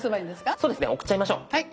そうですね送っちゃいましょう。